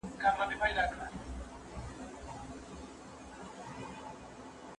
فشار د همکارۍ روحیه کموي.